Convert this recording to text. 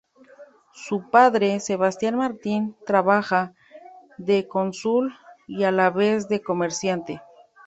Su padre, Sebastián Martín, trabajaba de cónsul y a la vez de comerciante.